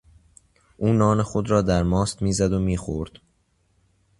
او نان خود را در ماست میزد و میخورد.